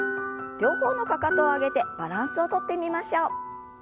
両方のかかとを上げてバランスをとってみましょう。